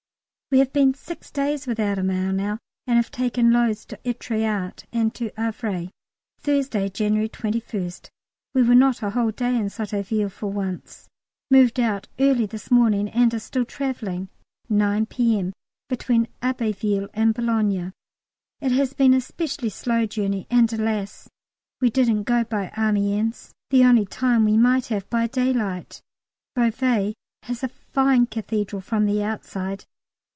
We have been six days without a mail now, and have taken loads to Êtretat and to Havre. Thursday, January 21st. We were not a whole day at Sotteville for once: moved out early this morning and are still travelling, 9 P.M., between Abbeville and Boulogne. It has been a specially slow journey, and, alas! we didn't go by Amiens: the only time we might have, by daylight. Beauvais has a fine Cathedral from the outside.